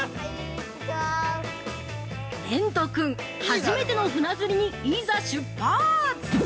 ◆蓮人君、初めての船釣りにいざ出発！